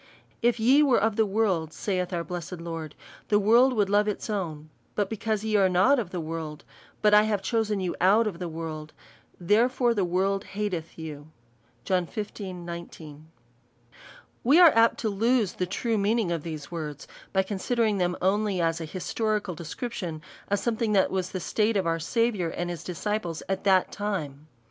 " If ye were of the world/' saith our blessed Lord, '' the world would love its own ; but because ye are not of the world, but I have chosen you out of the world, therefore the world hateth you." John xv. 19. We are apt to lose the true meaning; of these words, by considering them only as an historical de scription of something that was the state of our Sa viour and his disciples at that time.